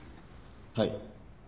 はい。